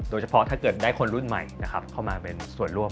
ถ้าเกิดได้คนรุ่นใหม่เข้ามาเป็นส่วนร่วม